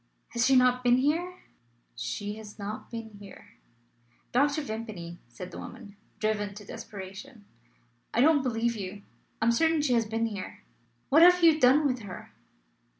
"Has she not been here?" "She has not been here." "Dr. Vimpany," said the woman, driven to desperation, "I don't believe you! I am certain she has been here. What have you done with her?"